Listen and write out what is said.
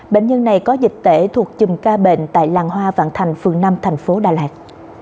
bệnh nhân này có dịch tễ thuộc chùm ca bệnh tại làng hoa vạn thành phường năm thành phố đà lạt